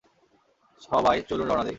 সবাই, চলুন রওনা দেই।